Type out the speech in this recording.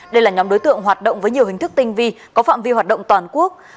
đây là nhóm đối tượng hoạt động với nhiều hình thức tinh vi có phạm vi hoạt động toàn quốc